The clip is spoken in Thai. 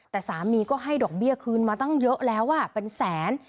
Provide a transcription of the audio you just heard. แต่สามีก็ให้ดอกเบี้ยคืนมาตั้งเยอะแล้วเป็นแสน